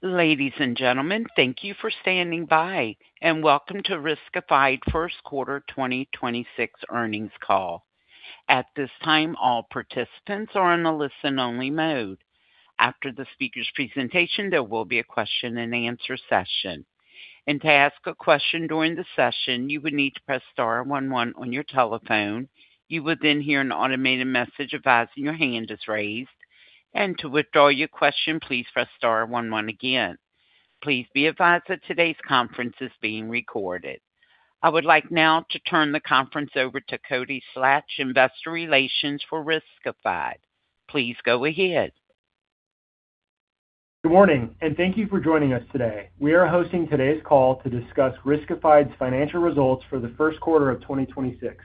Ladies and gentlemen, thank you for standing by, and welcome to Riskified first quarter 2026 earnings call. At this time, all participants are in a listen-only mode. After the speaker's presentation, there will be a question and answer session. To ask a question during the session, you would need to press star one one on your telephone. You will then hear an automated message advising your hand is raised. To withdraw your question, please press star one one again. Please be advised that today's conference is being recorded. I would like now to turn the conference over to Cody Slach, Investor Relations for Riskified. Please go ahead. Good morning, and thank you for joining us today. We are hosting today's call to discuss Riskified's financial results for the first quarter of 2026.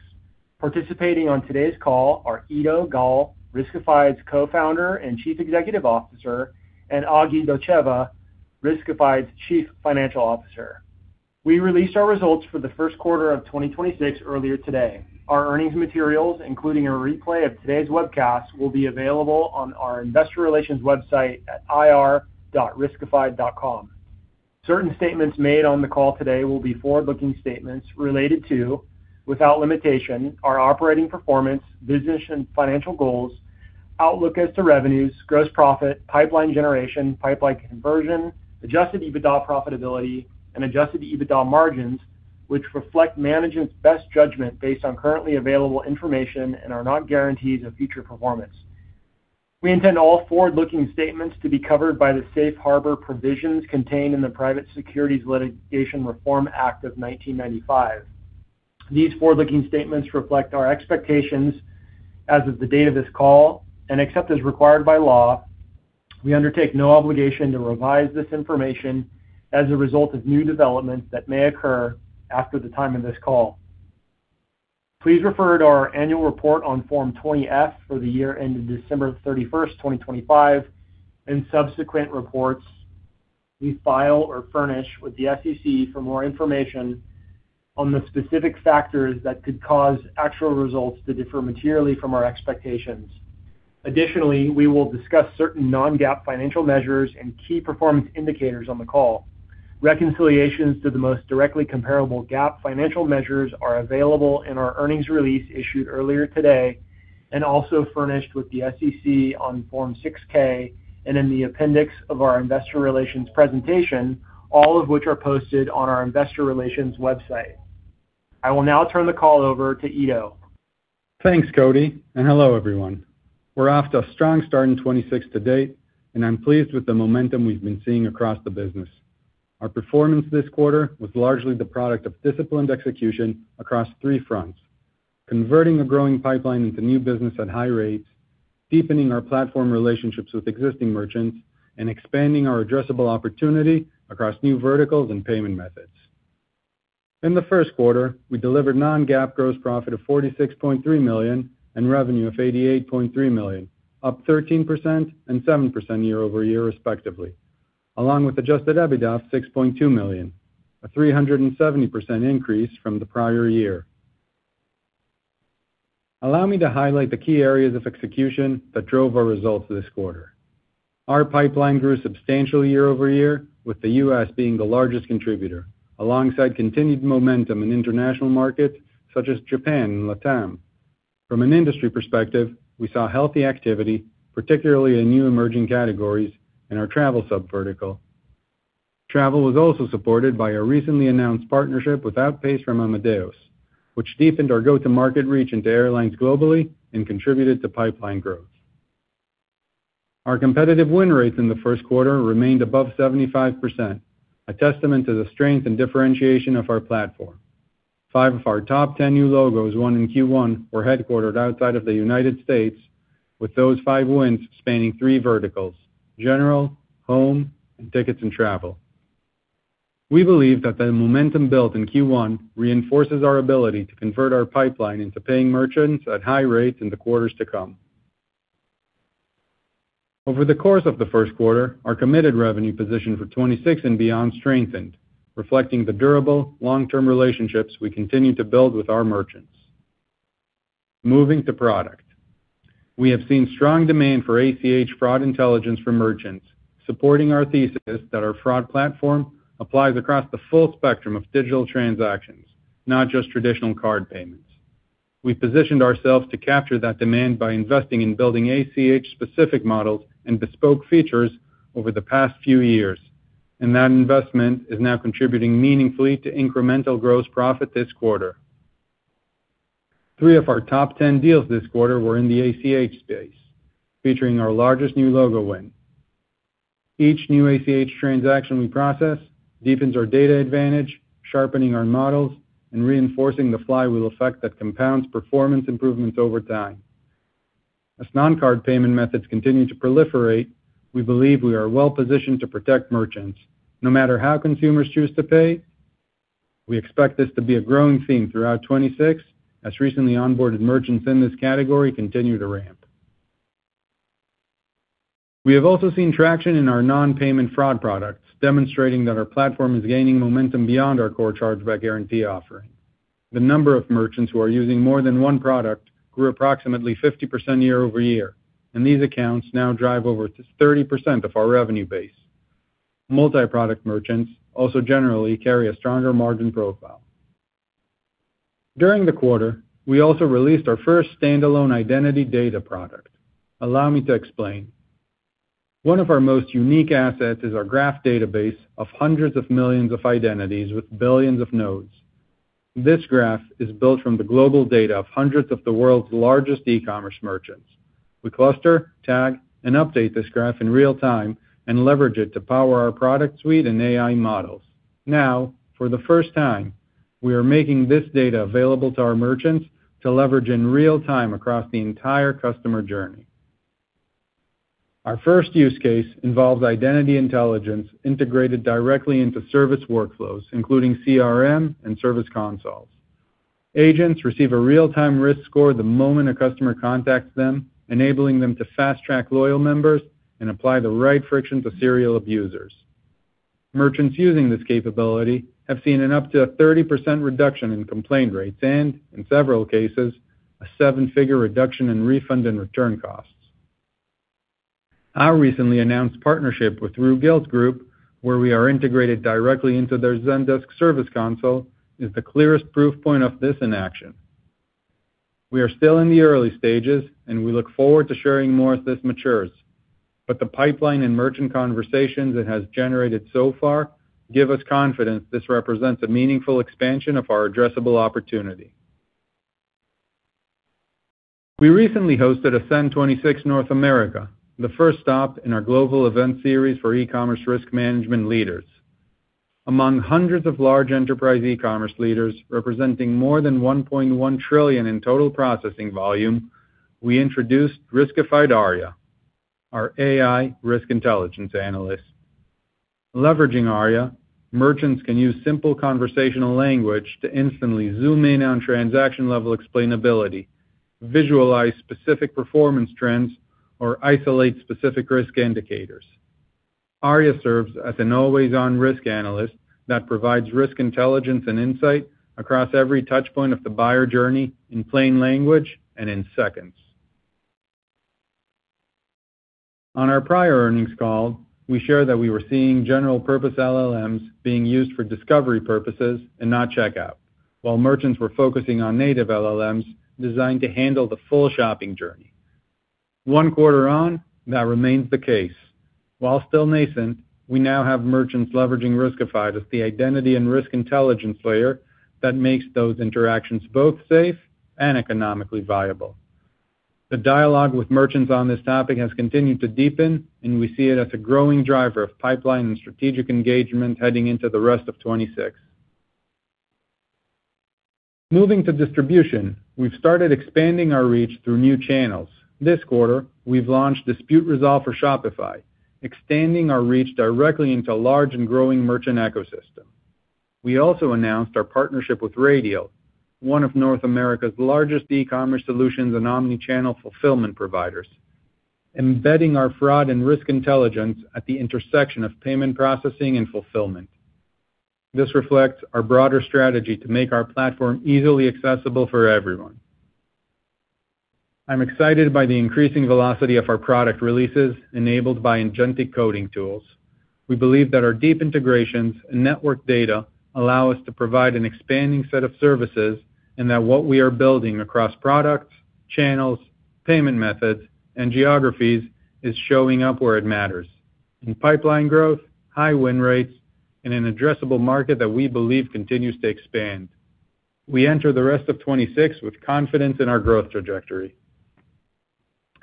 Participating on today's call are Eido Gal, Riskified's Co-founder and Chief Executive Officer, and Agi Dotcheva, Riskified's Chief Financial Officer. We released our results for the first quarter of 2026 earlier today. Our earnings materials, including a replay of today's webcast, will be available on our investor relations website at ir.riskified.com. Certain statements made on the call today will be forward-looking statements related to, without limitation, our operating performance, business and financial goals, outlook as to revenues, gross profit, pipeline generation, pipeline conversion, adjusted EBITDA profitability, and adjusted EBITDA margins, which reflect management's best judgment based on currently available information and are not guarantees of future performance. We intend all forward-looking statements to be covered by the safe harbor provisions contained in the Private Securities Litigation Reform Act of 1995. These forward-looking statements reflect our expectations as of the date of this call, and except as required by law, we undertake no obligation to revise this information as a result of new developments that may occur after the time of this call. Please refer to our annual report on Form 20-F for the year ended December 31st, 2025, and subsequent reports we file or furnish with the SEC for more information on the specific factors that could cause actual results to differ materially from our expectations. Additionally, we will discuss certain non-GAAP financial measures and key performance indicators on the call. Reconciliations to the most directly comparable GAAP financial measures are available in our earnings release issued earlier today, and also furnished with the SEC on Form 6-K and in the appendix of our investor relations presentation, all of which are posted on our investor relations website. I will now turn the call over to Eido. Thanks, Cody. Hello, everyone. We're off to a strong start in 2026 to date, and I'm pleased with the momentum we've been seeing across the business. Our performance this quarter was largely the product of disciplined execution across three fronts: converting a growing pipeline into new business at high rates, deepening our platform relationships with existing merchants, and expanding our addressable opportunity across new verticals and payment methods. In the first quarter, we delivered non-GAAP gross profit of $46.3 million and revenue of $88.3 million, up 13% and 7% year-over-year respectively, along with adjusted EBITDA of $6.2 million, a 370% increase from the prior year. Allow me to highlight the key areas of execution that drove our results this quarter. Our pipeline grew substantially year-over-year, with the U.S. being the largest contributor, alongside continued momentum in international markets such as Japan and LATAM. From an industry perspective, we saw healthy activity, particularly in new emerging categories in our travel sub-vertical. Travel was also supported by a recently announced partnership with Outpayce from Amadeus, which deepened our go-to-market reach into airlines globally and contributed to pipeline growth. Our competitive win rates in the first quarter remained above 75%, a testament to the strength and differentiation of our platform. Five of our top 10 new logos won in Q1 were headquartered outside of the United States, with those five wins spanning three verticals: general, home, and tickets and travel. We believe that the momentum built in Q1 reinforces our ability to convert our pipeline into paying merchants at high rates in the quarters to come. Over the course of the first quarter, our committed revenue position for 2026 and beyond strengthened, reflecting the durable long-term relationships we continue to build with our merchants. Moving to product. We have seen strong demand for ACH fraud intelligence for merchants, supporting our thesis that our fraud platform applies across the full spectrum of digital transactions, not just traditional card payments. We positioned ourselves to capture that demand by investing in building ACH-specific models and bespoke features over the past few years, and that investment is now contributing meaningfully to incremental gross profit this quarter. Three of our top 10 deals this quarter were in the ACH space, featuring our largest new logo win. Each new ACH transaction we process deepens our data advantage, sharpening our models and reinforcing the flywheel effect that compounds performance improvements over time. As non-card payment methods continue to proliferate, we believe we are well-positioned to protect merchants no matter how consumers choose to pay. We expect this to be a growing theme throughout 2026, as recently onboarded merchants in this category continue to ramp. We have also seen traction in our non-payment fraud products, demonstrating that our platform is gaining momentum beyond our core Chargeback Guarantee offer. The number of merchants who are using more than one product grew approximately 50% year-over-year, and these accounts now drive over 30% of our revenue base. Multi-product merchants also generally carry a stronger margin profile. During the quarter, we also released our first standalone identity data product. Allow me to explain. One of our most unique assets is our graph database of hundreds of millions of identities with billions of nodes. This graph is built from the global data of hundreds of the world's largest e-commerce merchants. We cluster, tag, and update this graph in real time and leverage it to power our product suite and AI models. Now, for the first time, we are making this data available to our merchants to leverage in real time across the entire customer journey. Our first use case involves identity intelligence integrated directly into service workflows, including CRM and service consoles. Agents receive a real-time risk score the moment a customer contacts them, enabling them to fast-track loyal members and apply the right friction to serial abusers. Merchants using this capability have seen an up to a 30% reduction in complaint rates and, in several cases, a seven-figure reduction in refund and return costs. Our recently announced partnership with Rue Gilt Groupe, where we are integrated directly into their Zendesk service console, is the clearest proof point of this in action. We are still in the early stages, and we look forward to sharing more as this matures, but the pipeline and merchant conversations it has generated so far give us confidence this represents a meaningful expansion of our addressable opportunity. We recently hosted Ascend 2026 North America, the first stop in our global event series for e-commerce risk management leaders. Among hundreds of large enterprise e-commerce leaders representing more than $1.1 trillion in total processing volume, we introduced Riskified ARIA, our AI Risk Intelligence Analyst. Leveraging ARIA, merchants can use simple conversational language to instantly zoom in on transaction-level explainability, visualize specific performance trends, or isolate specific risk indicators. ARIA serves as an always-on risk analyst that provides risk intelligence and insight across every touchpoint of the buyer journey in plain language and in seconds. On our prior earnings call, we shared that we were seeing general purpose LLMs being used for discovery purposes and not checkout, while merchants were focusing on native LLMs designed to handle the full shopping journey. One quarter on, that remains the case. While still nascent, we now have merchants leveraging Riskified as the identity and risk intelligence layer that makes those interactions both safe and economically viable. The dialogue with merchants on this topic has continued to deepen, and we see it as a growing driver of pipeline and strategic engagement heading into the rest of 2026. Moving to distribution, we've started expanding our reach through new channels. This quarter, we've launched Dispute Resolve for Shopify, extending our reach directly into a large and growing merchant ecosystem. We also announced our partnership with Radial, one of North America's largest e-commerce solutions and omni-channel fulfillment providers, embedding our fraud and risk intelligence at the intersection of payment processing and fulfillment. This reflects our broader strategy to make our platform easily accessible for everyone. I'm excited by the increasing velocity of our product releases enabled by agentic coding tools. We believe that our deep integrations and network data allow us to provide an expanding set of services, and that what we are building across products, channels, payment methods, and geographies is showing up where it matters, in pipeline growth, high win rates, and an addressable market that we believe continues to expand. We enter the rest of 2026 with confidence in our growth trajectory.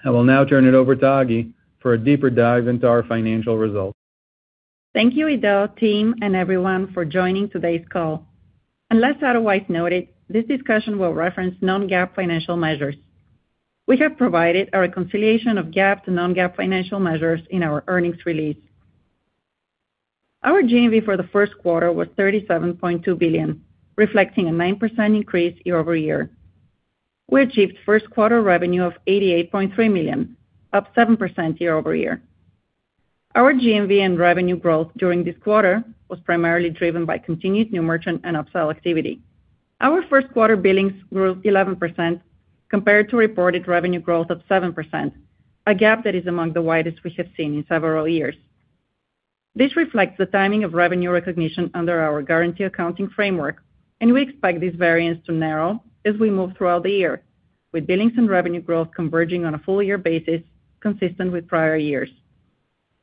I will now turn it over to Agi for a deeper dive into our financial results. Thank you, Eido, team, and everyone for joining today's call. Unless otherwise noted, this discussion will reference non-GAAP financial measures. We have provided a reconciliation of GAAP to non-GAAP financial measures in our earnings release. Our GMV for the first quarter was $37.2 billion, reflecting a 9% increase year-over-year. We achieved first quarter revenue of $88.3 million, up 7% year-over-year. Our GMV and revenue growth during this quarter was primarily driven by continued new merchant and upsell activity. Our first quarter billings grew 11% compared to reported revenue growth of 7%, a gap that is among the widest we have seen in several years. This reflects the timing of revenue recognition under our guarantee accounting framework, and we expect this variance to narrow as we move throughout the year, with billings and revenue growth converging on a full year basis consistent with prior years.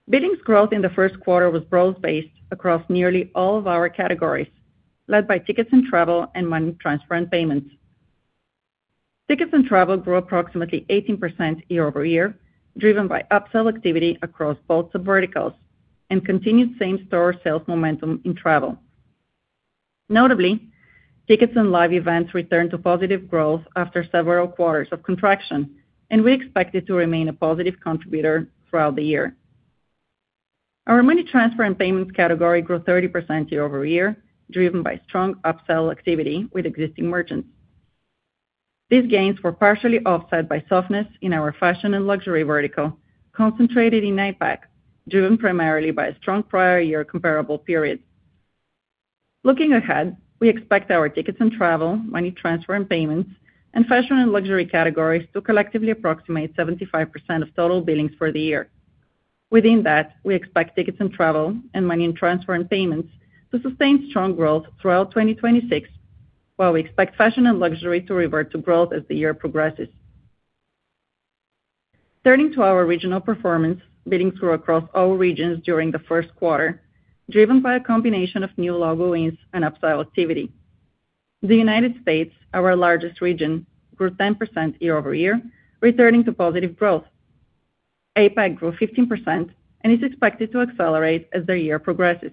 Billings growth in the first quarter was broad-based across nearly all of our categories, led by tickets and travel and money transfer and payments. Tickets and travel grew approximately 18% year-over-year, driven by upsell activity across both subverticals and continued same-store sales momentum in travel. Notably, tickets and live events returned to positive growth after several quarters of contraction, and we expect it to remain a positive contributor throughout the year. Our money transfer and payments category grew 30% year-over-year, driven by strong upsell activity with existing merchants. These gains were partially offset by softness in our fashion and luxury vertical, concentrated in APAC, driven primarily by a strong prior year comparable period. Looking ahead, we expect our tickets and travel, money transfer and payments, and fashion and luxury categories to collectively approximate 75% of total billings for the year. Within that, we expect tickets and travel and money and transfer and payments to sustain strong growth throughout 2026, while we expect fashion and luxury to revert to growth as the year progresses. Turning to our regional performance, billings grew across all regions during the first quarter, driven by a combination of new logo wins and upsell activity. The U.S., our largest region, grew 10% year-over-year, returning to positive growth. APAC grew 15% and is expected to accelerate as the year progresses.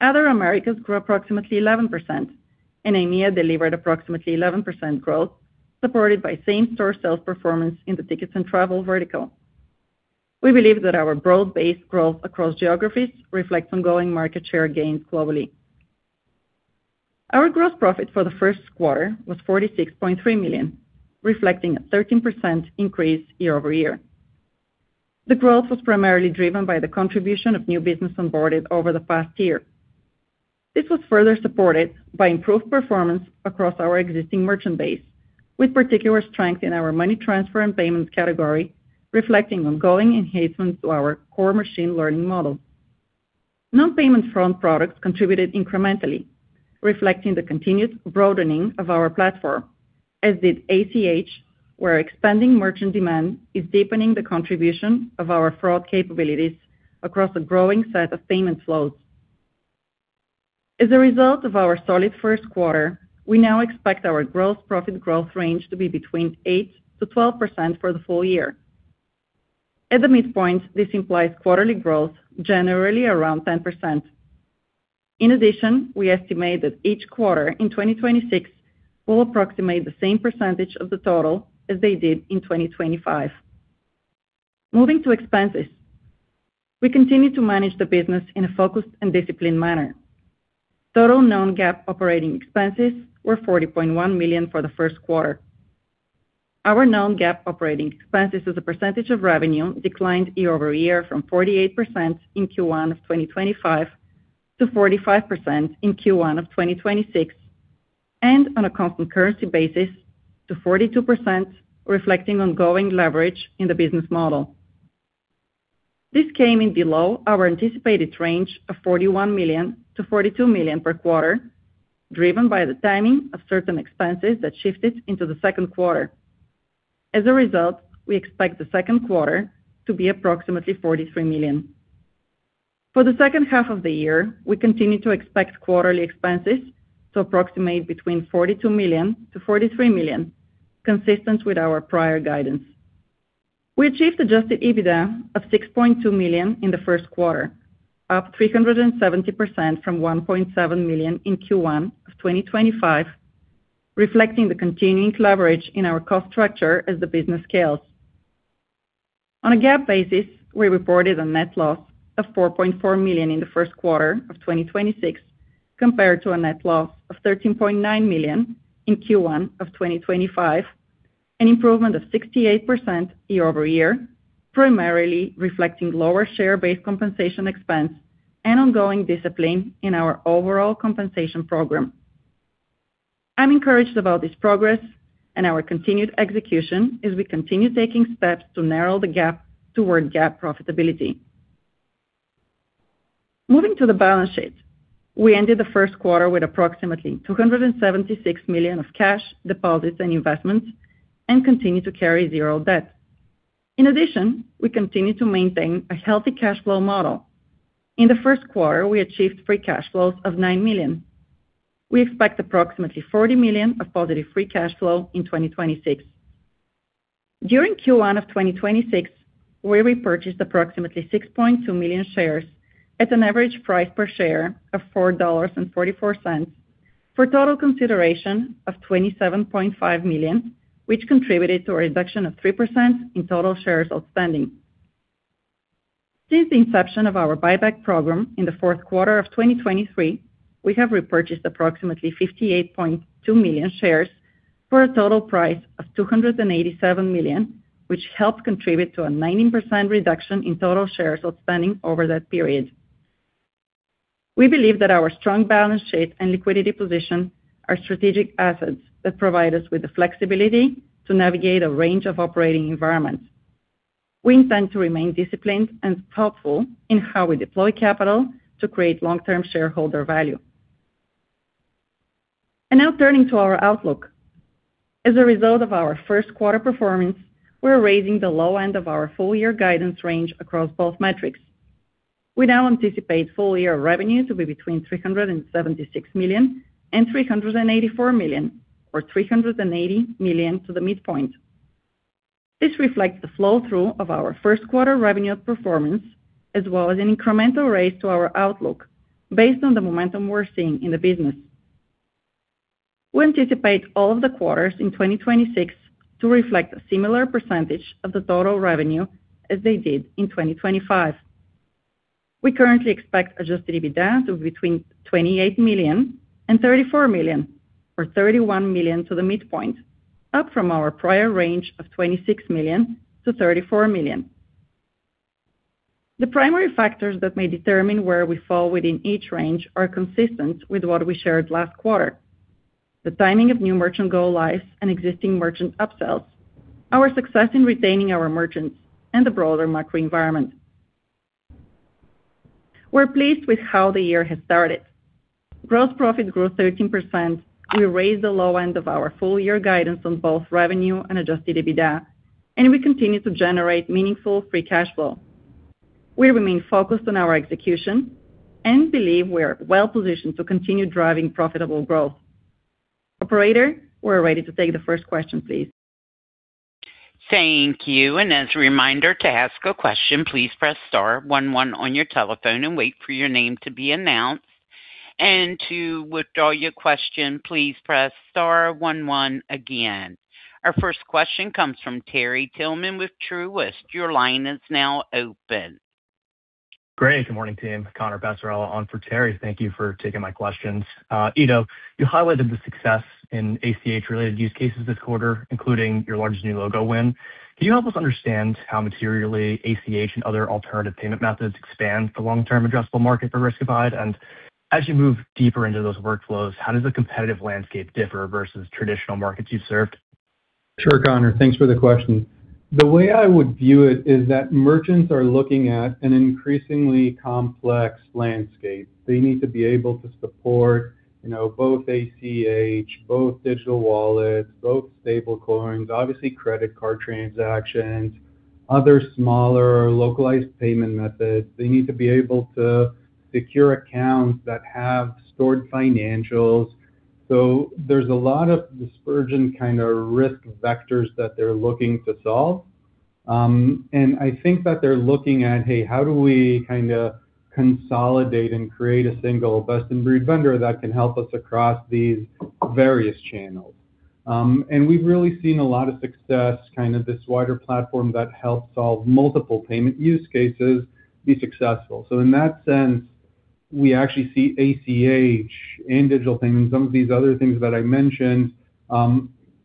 Other Americas grew approximately 11%, and EMEA delivered approximately 11% growth, supported by same-store sales performance in the tickets and travel vertical. We believe that our broad-based growth across geographies reflects ongoing market share gains globally. Our gross profit for the first quarter was $46.3 million, reflecting a 13% increase year-over-year. The growth was primarily driven by the contribution of new business onboarded over the past year. This was further supported by improved performance across our existing merchant base, with particular strength in our money transfer and payments category, reflecting ongoing enhancements to our core machine learning models. Non-payment fraud products contributed incrementally, reflecting the continued broadening of our platform, as did ACH, where expanding merchant demand is deepening the contribution of our fraud capabilities across a growing set of payment flows. As a result of our solid first quarter, we now expect our gross profit growth range to be between 8%-12% for the full year. At the midpoint, this implies quarterly growth generally around 10%. In addition, we estimate that each quarter in 2026 will approximate the same percentage of the total as they did in 2025. Moving to expenses. We continue to manage the business in a focused and disciplined manner. Total non-GAAP operating expenses were $40.1 million for the first quarter. Our non-GAAP operating expenses as a percentage of revenue declined year-over-year from 48% in Q1 of 2025 to 45% in Q1 of 2026, and on a constant currency basis to 42%, reflecting ongoing leverage in the business model. This came in below our anticipated range of $41 million-$42 million per quarter, driven by the timing of certain expenses that shifted into the second quarter. We expect the second quarter to be approximately $43 million. For the second half of the year, we continue to expect quarterly expenses to approximate between $42 million-$43 million, consistent with our prior guidance. We achieved adjusted EBITDA of $6.2 million in the first quarter, up 370% from $1.7 million in Q1 of 2025, reflecting the continuing leverage in our cost structure as the business scales. On a GAAP basis, we reported a net loss of $4.4 million in the first quarter of 2026 compared to a net loss of $13.9 million in Q1 of 2025, an improvement of 68% year-over-year, primarily reflecting lower share-based compensation expense and ongoing discipline in our overall compensation program. I'm encouraged about this progress and our continued execution as we continue taking steps to narrow the gap toward GAAP profitability. Moving to the balance sheet. We ended the first quarter with approximately $276 million of cash deposits and investments and continue to carry zero debt. In addition, we continue to maintain a healthy cash flow model. In the first quarter, we achieved free cash flows of $9 million. We expect approximately $40 million of positive free cash flow in 2026. During Q1 of 2026, we repurchased approximately 6.2 million shares at an average price per share of $4.44 for total consideration of $27.5 million, which contributed to a reduction of 3% in total shares outstanding. Since the inception of our buyback program in the fourth quarter of 2023, we have repurchased approximately 58.2 million shares for a total price of $287 million, which helped contribute to a 19% reduction in total shares outstanding over that period. We believe that our strong balance sheet and liquidity position are strategic assets that provide us with the flexibility to navigate a range of operating environments. We intend to remain disciplined and thoughtful in how we deploy capital to create long-term shareholder value. Now turning to our outlook. As a result of our first quarter performance, we're raising the low end of our full year guidance range across both metrics. We now anticipate full year revenue to be between $376 million and $384 million or $380 million to the midpoint. This reflects the flow-through of our first quarter revenue performance as well as an incremental raise to our outlook based on the momentum we're seeing in the business. We anticipate all of the quarters in 2026 to reflect a similar % of the total revenue as they did in 2025. We currently expect adjusted EBITDA of between $28 million and $34 million, or $31 million to the midpoint, up from our prior range of $26 million-$34 million. The primary factors that may determine where we fall within each range are consistent with what we shared last quarter. The timing of new merchant go-lives and existing merchant upsells, our success in retaining our merchants, and the broader macro environment. We're pleased with how the year has started. Gross profit grew 13%. We raised the low end of our full year guidance on both revenue and adjusted EBITDA, and we continue to generate meaningful free cash flow. We remain focused on our execution and believe we are well-positioned to continue driving profitable growth. Operator, we're ready to take the first question, please. Thank you. As a reminder, to ask a question, please press star one one on your telephone and wait for your name to be announced. To withdraw your question, please press star one one again. Our first question comes from Terry Tillman with Truist. Your line is now open. Great. Good morning, team. Connor Passarella on for Terry. Thank you for taking my questions. Eido, you highlighted the success in ACH related use cases this quarter, including your largest new logo win. Can you help us understand how materially ACH and other alternative payment methods expand the long-term addressable market for Riskified? As you move deeper into those workflows, how does the competitive landscape differ versus traditional markets you've served? Sure, Connor. Thanks for the question. The way I would view it is that merchants are looking at an increasingly complex landscape. They need to be able to support, you know, both ACH, both digital wallets, both stablecoins, obviously credit card transactions, other smaller localized payment methods. They need to be able to secure accounts that have stored financials. There's a lot of dispersion kind of risk factors that they're looking to solve. I think that they're looking at, hey, how do we kind of consolidate and create a single best-in-breed vendor that can help us across these various channels? We've really seen a lot of success, kind of this wider platform that helps solve multiple payment use cases be successful. In that sense, we actually see ACH and digital payments, some of these other things that I mentioned,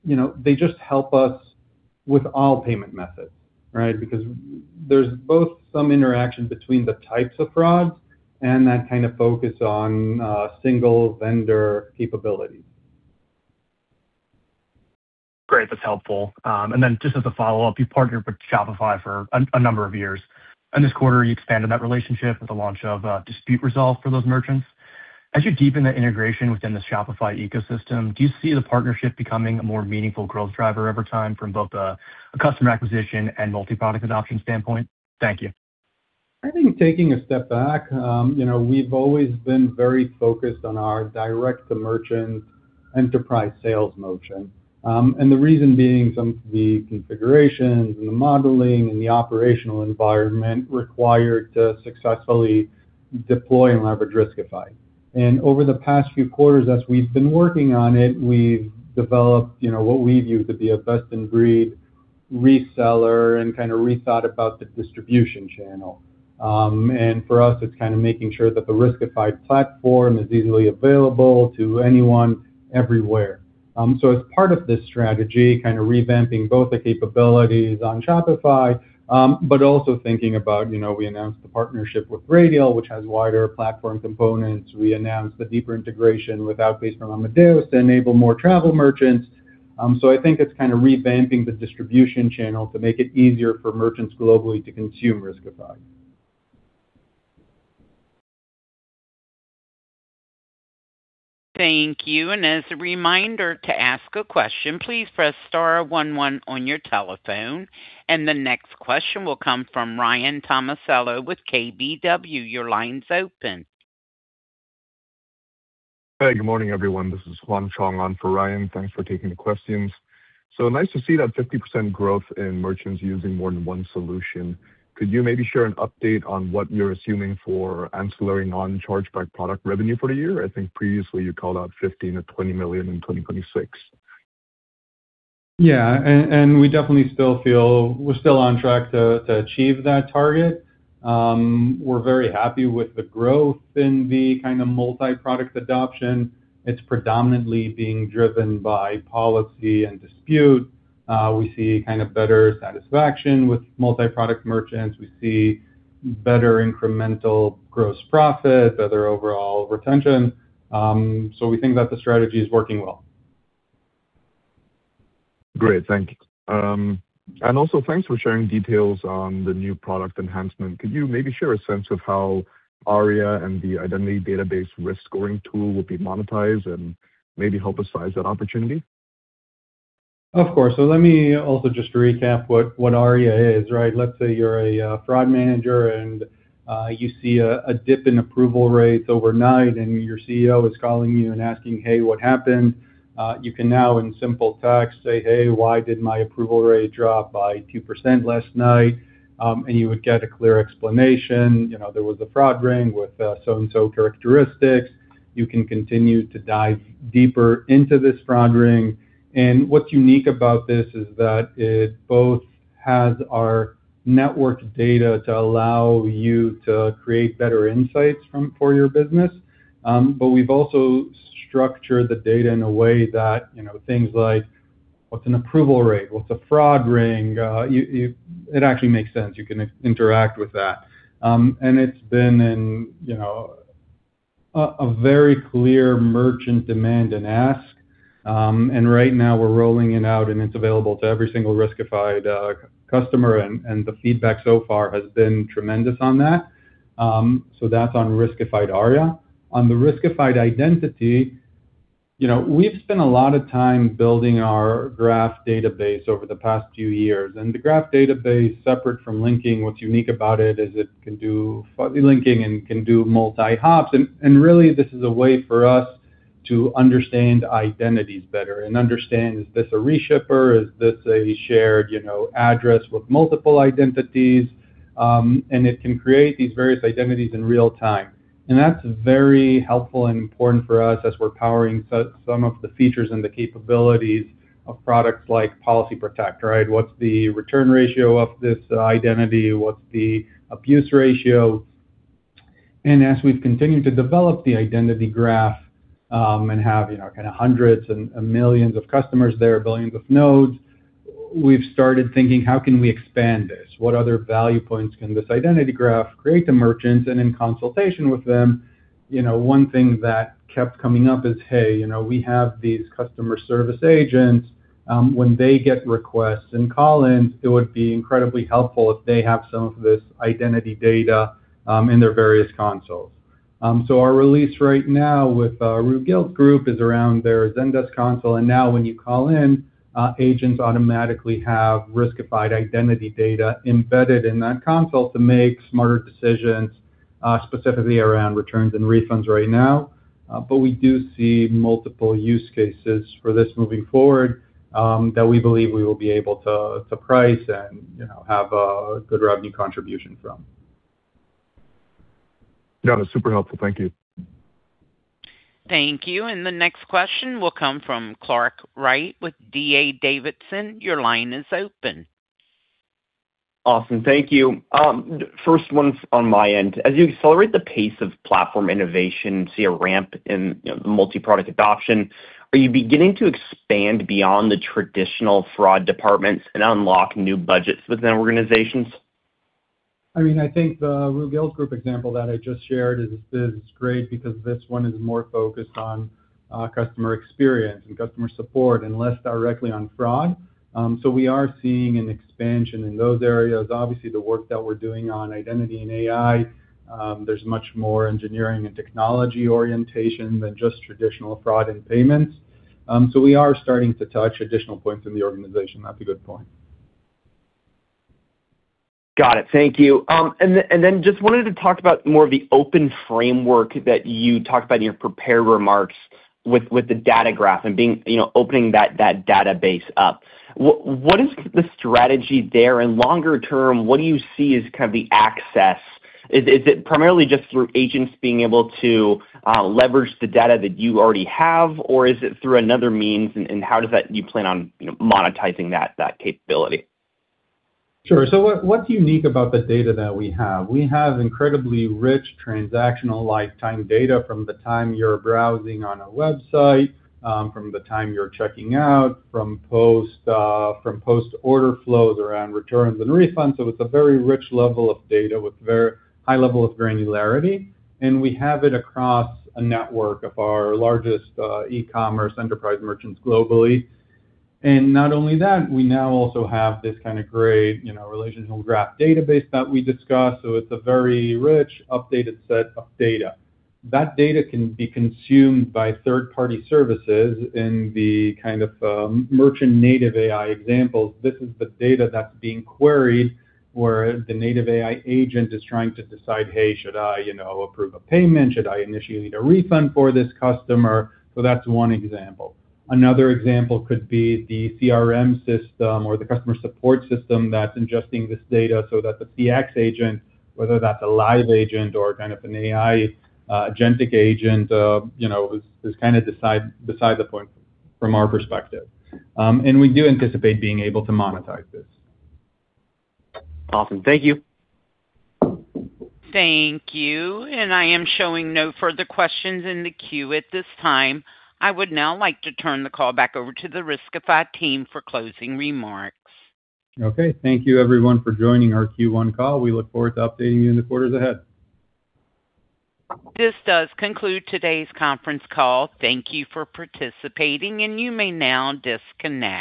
you know, they just help us with all payment methods, right? Because there's both some interaction between the types of fraud and that kind of focus on single vendor capability. Great. That's helpful. Then just as a follow-up, you partnered with Shopify for a number of years, and this quarter you expanded that relationship with the launch of Dispute Resolve for those merchants. As you deepen the integration within the Shopify ecosystem, do you see the partnership becoming a more meaningful growth driver over time from both a customer acquisition and multi-product adoption standpoint? Thank you. I think taking a step back, you know, we've always been very focused on our direct-to-merchant enterprise sales motion. The reason being some of the configurations and the modeling and the operational environment required to successfully deploy and leverage Riskified. Over the past few quarters, as we've been working on it, we've developed, you know, what we view to be a best-in-breed reseller and kind of rethought about the distribution channel. For us, it's kind of making sure that the Riskified platform is easily available to anyone everywhere. As part of this strategy, kind of revamping both the capabilities on Shopify, but also thinking about, you know, we announced the partnership with Radial, which has wider platform components. We announced the deeper integration with Outpayce from Amadeus to enable more travel merchants. I think it's kind of revamping the distribution channel to make it easier for merchants globally to consume Riskified. Thank you. As a reminder, to ask a question, please press star one one on your telephone. The next question will come from Ryan Tomasello with KBW. Your line's open. Hey, good morning, everyone. This is Huan Chong on for Ryan. Thanks for taking the questions. Nice to see that 50% growth in merchants using more than one solution. Could you maybe share an update on what you're assuming for ancillary non-chargeback product revenue for the year? I think previously you called out $15 million-$20 million in 2026. Yeah. We definitely still feel we're still on track to achieve that target. We're very happy with the growth in the kinda multi-product adoption. It's predominantly being driven by Policy and Dispute. We see kind of better satisfaction with multi-product merchants. We see better incremental gross profit, better overall retention. We think that the strategy is working well. Great. Thank you. Also thanks for sharing details on the new product enhancement. Could you maybe share a sense of how ARIA and the identity database risk scoring tool will be monetized and maybe help us size that opportunity? Of course. Let me also just recap what ARIA is, right? Let's say you're a fraud manager and you see a dip in approval rates overnight and your CEO is calling you and asking, hey, what happened? You can now in simple text say, hey, why did my approval rate drop by 2% last night? You would get a clear explanation. You know, there was a fraud ring with so and so characteristics. You can continue to dive deeper into this fraud ring. What's unique about this is that it both has our network data to allow you to create better insights for your business. We've also structured the data in a way that, you know, things like what's an approval rate, what's a fraud ring, it actually makes sense. You can interact with that. It's been in, you know, a very clear merchant demand and ask. Right now we're rolling it out, and it's available to every single Riskified customer, and the feedback so far has been tremendous on that. That's on Riskified ARIA. On the Riskified Identity, you know, we've spent a lot of time building our graph database over the past few years. The graph database, separate from linking, what's unique about it is it can do fuzzy linking and can do multi-hops. Really this is a way for us to understand identities better and understand is this a reshipper, is this a shared, you know, address with multiple identities. It can create these various identities in real time. That's very helpful and important for us as we're powering some of the features and the capabilities of products like Policy Protect, right? What's the return ratio of this identity? What's the abuse ratio? As we've continued to develop the identity graph, and have, you know, kinda hundreds and millions of customers there, billions of nodes, we've started thinking, how can we expand this? What other value points can this identity graph create for merchants in consultation with them? You know, one thing that kept coming up is, hey, you know, we have these customer service agents. When they get requests and call-ins, it would be incredibly helpful if they have some of this identity data in their various consoles. Our release right now with Rue Gilt Groupe is around their Zendesk console, and now when you call in, agents automatically have Riskified Identity data embedded in that console to make smarter decisions, specifically around returns and refunds right now. We do see multiple use cases for this moving forward that we believe we will be able to price and, you know, have a good revenue contribution from. Yeah, that's super helpful. Thank you. Thank you. The next question will come from Clark Wright with D.A. Davidson. Your line is open. Awesome. Thank you. First one's on my end. As you accelerate the pace of platform innovation, see a ramp in, you know, multi-product adoption, are you beginning to expand beyond the traditional fraud departments and unlock new budgets within organizations? I mean, I think the Rue Gilt Groupe example that I just shared is great because this one is more focused on customer experience and customer support and less directly on fraud. We are seeing an expansion in those areas. Obviously, the work that we're doing on identity and AI, there's much more engineering and technology orientation than just traditional fraud and payments. We are starting to touch additional points in the organization. That's a good point. Got it. Thank you. Just wanted to talk about more of the open framework that you talked about in your prepared remarks with the data graph and you know, opening that database up. What is the strategy there? Longer term, what do you see as kind of the access? Is it primarily just through agents being able to leverage the data that you already have, or is it through another means, and how do you plan on, you know, monetizing that capability? Sure. What's unique about the data that we have, we have incredibly rich transactional lifetime data from the time you're browsing on a website, from the time you're checking out, from post-order flows around returns and refunds. It's a very rich level of data with high level of granularity, and we have it across a network of our largest e-commerce enterprise merchants globally. Not only that, we now also have this kind of great, you know, relational graph database that we discussed. It's a very rich, updated set of data. That data can be consumed by third-party services in the kind of merchant-native AI examples. This is the data that's being queried where the native AI agent is trying to decide, hey, should I, you know, approve a payment? Should I initiate a refund for this customer? That's one example. Another example could be the CRM system or the customer support system that's ingesting this data so that the CX agent, whether that's a live agent or kind of an AI agentic agent, you know, is kinda beside the point from our perspective. We do anticipate being able to monetize this. Awesome. Thank you. Thank you. I am showing no further questions in the queue at this time. I would now like to turn the call back over to the Riskified team for closing remarks. Okay. Thank you everyone for joining our Q1 call. We look forward to updating you in the quarters ahead. This does conclude today's conference call. Thank you for participating. You may now disconnect.